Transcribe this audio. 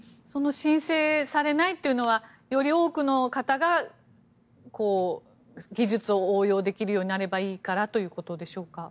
申請されないというのはより多くの方が技術を応用できるようになればいいからということでしょうか。